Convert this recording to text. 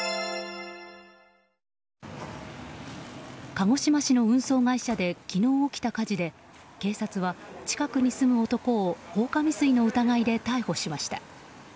鹿児島市の運送会社で昨日起きた火事で警察は近くに住む男を放火未遂の疑いで逮捕しました。